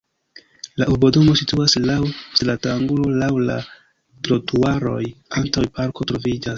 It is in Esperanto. La urbodomo situas laŭ stratangulo laŭ la trotuaroj, antaŭe parko troviĝas.